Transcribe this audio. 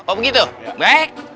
oh begitu baik